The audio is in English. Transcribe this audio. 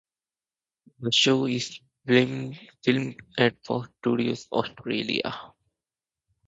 The show is filmed at Fox Studios Australia.